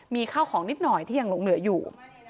มีข้าวของนิดหน่อยที่ยังหลงเหลืออยู่